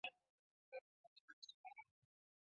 هغه د کور خاوند نه شو.